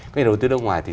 các nhà đầu tư nước ngoài